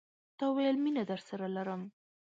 تا ویل، مینه درسره لرم